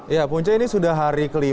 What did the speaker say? ya punca ini sudah hari kelima